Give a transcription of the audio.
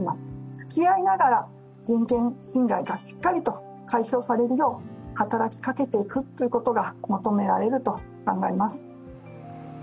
付き合いながら人権侵害が解消されるよう働きかけていくことが求められていくと考えられます。